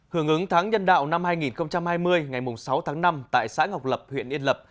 hưởng ứng tháng nhân đạo năm hai nghìn hai mươi ngày sáu tháng năm tại xã ngọc lập huyện yên lập